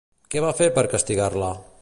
Què va fer per castigar-la?